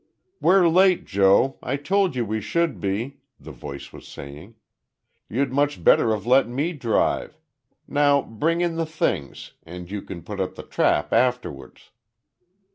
"We're late, Joe. I told you we should be," the voice was saying. "You'd much better have let me drive. Now bring in the things you can put up the trap afterwards."